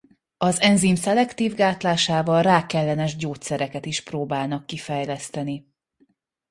Az enzim szelektív gátlásával rákellenes gyógyszereket is próbálnak kifejleszteni.